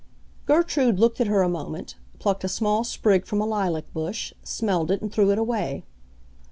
Gertrude looked at her a moment, plucked a small sprig from a lilac bush, smelled it and threw it away.